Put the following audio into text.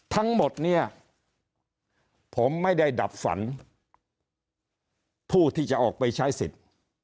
ทั้งหมดเนี่ยผมไม่ได้ดับฝันผู้ที่จะออกไปใช้สิทธิ์